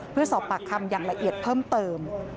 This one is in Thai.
เพื่อสอบปากคำอย่างละเอียดเพิ่มเติม